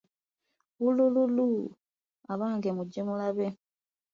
Wuulululuuu, abange mugye mulabe,